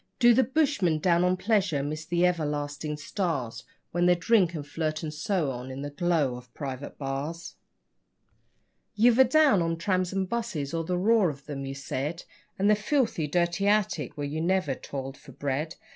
Do the bushmen, down on pleasure, miss the everlasting stars When they drink and flirt and so on in the glow of private bars? You've a down on 'trams and buses', or the 'roar' of 'em, you said, And the 'filthy, dirty attic', where you never toiled for bread.